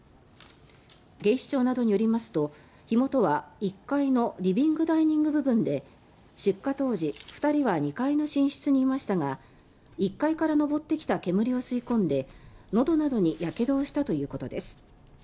警視庁などによりますと火元は１階のリビングダイニング部分で出火当時２人は２階の寝室にいましたが１階から上ってきた煙を吸い込んでのどなどにやけどをしたということです。